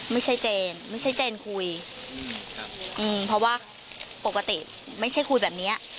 เจนไม่ใช่เจนคุยเพราะว่าปกติไม่ใช่คุยแบบเนี้ย